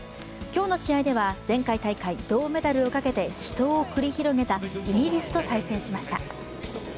今日の試合では前回大会銅メダルをかけて死闘を繰り広げたイギリスと対戦しました。